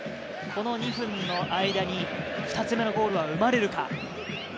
この２分の間に２つ目のゴールは生まれるか。